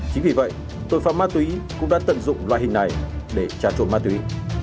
chính vì vậy tội phạm ma túy cũng đã tận dụng loại hình này để trà trộn ma túy